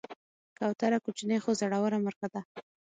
کوتره کوچنۍ خو زړوره مرغه ده.